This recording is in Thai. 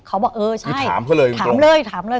เขาบอกเออใช่ถามเลย